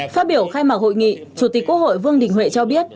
phát biểu khai mạc hội nghị chủ tịch quốc hội vương đình huệ cho biết